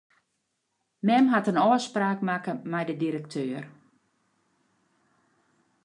Mem hat in ôfspraak makke mei de direkteur.